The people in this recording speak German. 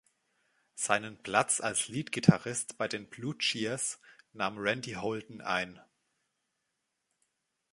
Seinen Platz als Leadgitarrist bei den Blue Cheers nahm Randy Holden ein.